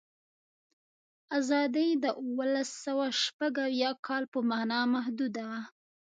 آزادي د اوولسسوهشپږاویا کال په معنا محدوده وه.